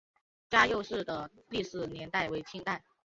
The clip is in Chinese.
嘉佑寺的历史年代为清代。